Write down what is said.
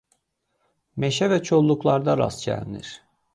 Meşə və kolluqlarda rast gəlinir.